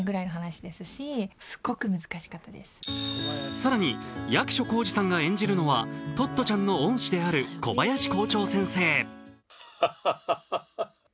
更に、役所広司さんが演じるのはトットちゃんの恩師である小林校長先生。